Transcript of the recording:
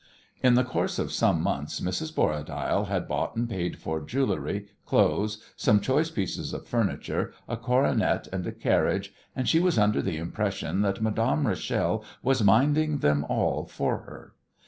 In the course of some months Mrs. Borradaile had bought and paid for jewellery, clothes, some choice pieces of furniture, a coronet and a carriage, and she was under the impression that Madame Rachel was minding them all for her.